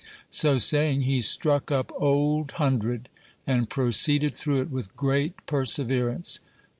So saying, he struck up Old Hundred, and proceeded through it with great perseverance.